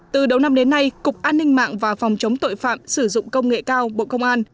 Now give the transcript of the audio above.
từ đầu năm đến nay cục an ninh mạng và phòng chống tội phạm sử dụng công nghệ cao bộ công an